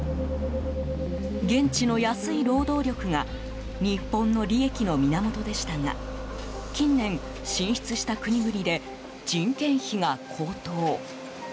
現地の安い労働力が日本の利益の源でしたが近年、進出した国々で人件費が高騰。